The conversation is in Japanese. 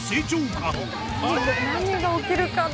「何が起きるかな？